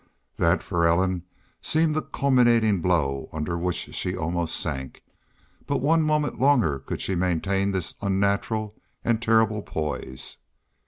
That for Ellen seemed the culminating blow under which she almost sank. But one moment longer could she maintain this unnatural and terrible poise.